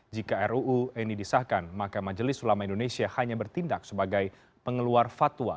jika ruu ini disahkan maka majelis ulama indonesia hanya bertindak sebagai pengeluar fatwa